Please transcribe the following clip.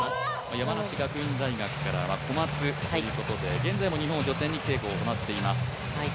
山梨学院大学からコマツということで、現在も日本を拠点に稽古を行っています。